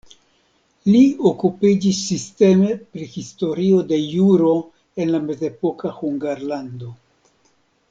Li okupiĝis sisteme pri historio de juro en la mezepoka Hungarlando.